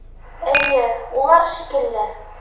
Эйе, улар шикелле.